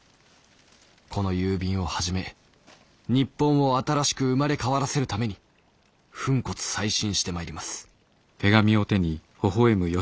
この郵便をはじめ日本を新しく生まれ変わらせるために粉骨砕身してまいります」。